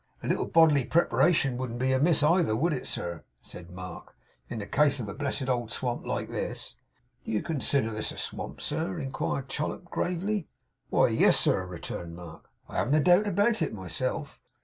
'A little bodily preparation wouldn't be amiss, either, would it, sir,' said Mark, 'in the case of a blessed old swamp like this?' 'Do you con sider this a swamp, sir?' inquired Chollop gravely. 'Why yes, sir,' returned Mark. 'I haven't a doubt about it myself.